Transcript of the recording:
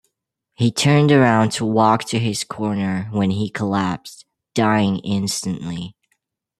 He turned around to walk to his corner when he collapsed, dying instantly.